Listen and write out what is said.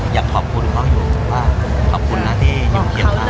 อยากขอบคุณเค้าอยู่ขอบคุณนะที่อยู่เคียงข้าง